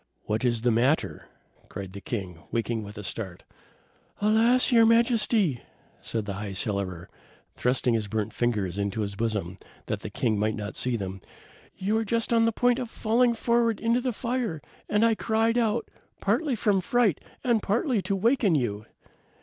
"What is the matter?" cried the king, waking with a start. "Alas! your Majesty," said the High Cellarer, thrusting his burnt fingers into his bosom, that the king might not see them. "You were just on the point of falling forward into the fire, and I cried out, partly from fright and partly to waken you."